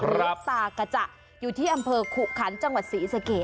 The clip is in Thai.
ตากระจ่ะอยู่ที่อำเภอขุขันจังหวัดศรีสะเกด